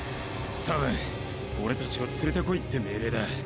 多分俺達を連れて来いって命令だ。